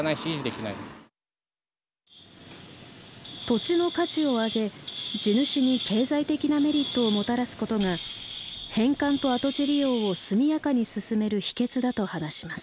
土地の価値を上げ地主に経済的なメリットをもたらすことが返還と跡地利用を速やかに進める秘訣だと話します。